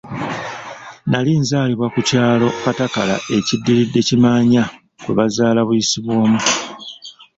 Nali nzaalibwa ku ku kyalo Katakala ekiddiridde Kimaanya kwe bazaala Buyisibwomu.